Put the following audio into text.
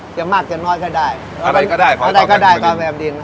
อย่างมากอย่างน้อยก็ได้อะไรก็ได้ตอบแทนคุณแผ่นดิน